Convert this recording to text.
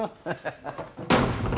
ハハハ。